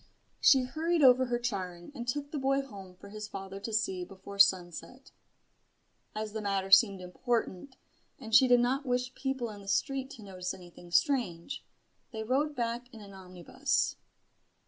She hurried over her charing, and took the boy home for his father to see before sunset. As the matter seemed important, and she did not wish people in the street to notice anything strange, they rode back in an omnibus.